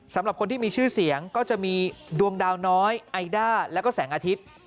สำหรับคนที่มีชื่อเสียงก็จะมีดวงดาวน้อยไอด้าแล้วก็แสงอาทิตย์